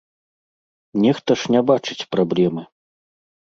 Нехта ж не бачыць праблемы.